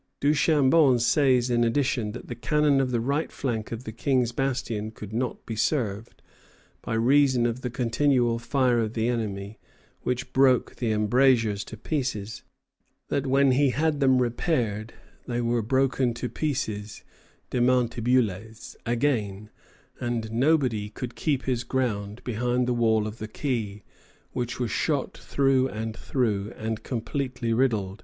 [Footnote: Bigot au Ministre, 1 Août, 1745.] Duchambon says in addition that the cannon of the right flank of the King's Bastion could not be served, by reason of the continual fire of the enemy, which broke the embrasures to pieces; that when he had them repaired, they were broken to pieces (démantibulès) again, and nobody could keep his ground behind the wall of the quay, which was shot through and through and completely riddled.